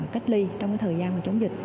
cách ly trong thời gian chống dịch